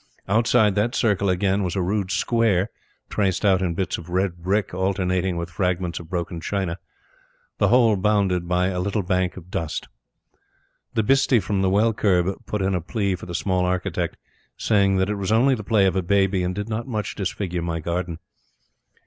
Outside that circle again, was a rude square, traced out in bits of red brick alternating with fragments of broken china; the whole bounded by a little bank of dust. The bhistie from the well curb put in a plea for the small architect, saying that it was only the play of a baby and did not much disfigure my garden.